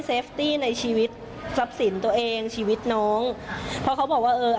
ตี้ในชีวิตทรัพย์สินตัวเองชีวิตน้องเพราะเขาบอกว่าเออ